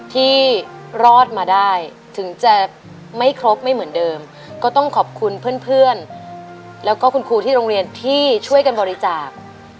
ที่รอดมาได้ถึงจะไม่ครบไม่เหมือนเดิมก็ต้องขอบคุณเพื่อนแล้วก็คุณครูที่โรงเรียนที่ช่วยกันบริจาค